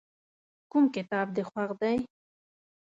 کوم کتاب دې خوښ دی؟